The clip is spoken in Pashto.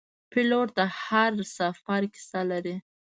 پیلوټ د هر سفر کیسه لري.